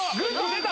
・出た！